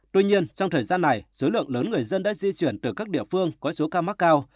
tuy nhiên trong thời gian này số lượng lớn người dân đã di chuyển từ các địa phương có số ca mắc cao